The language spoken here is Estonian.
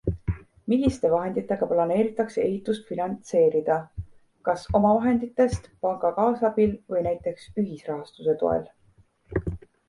Milliste vahenditega planeeritakse ehitust finantseerida, kas omavahenditest, panga kaasabil või näiteks ühisrahastuse toel?